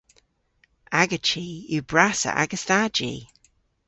Aga chi yw brassa ages dha ji.